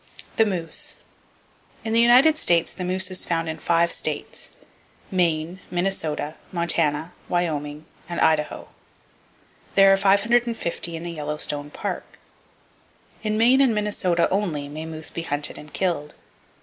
The Moose. —In the United States the moose is found in five states,—Maine, Minnesota, Montana, Wyoming and Idaho. There are 550 in the Yellowstone Park. In Maine and Minnesota only may moose be hunted and killed.